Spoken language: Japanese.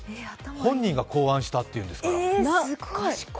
本人が考案したっていうんですから。